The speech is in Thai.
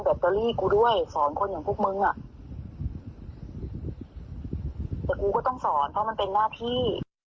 แต่กูก็ต้องสอนเพราะมันเป็นหน้าที่